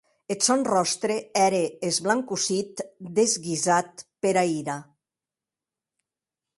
Eth sòn ròstre ère esblancossit, desguisat pera ira.